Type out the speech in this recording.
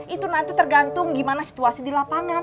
itu nanti tergantung gimana situasi di lapangan